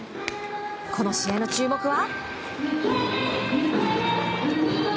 この試合の注目は。